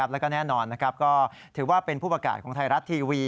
แล้วก็แน่นอนก็ถือว่าเป็นผู้ประกาศของไทยรัฐทีวี